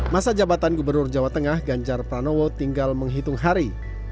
masa jabatan gubernur jawa tengah ganjar pranowo tinggal menghitung hari